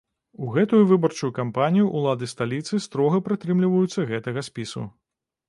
У гэтую выбарчую кампанію ўлады сталіцы строга прытрымліваюцца гэтага спісу.